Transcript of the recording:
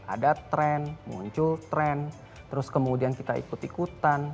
ada tren muncul tren terus kemudian kita ikut ikutan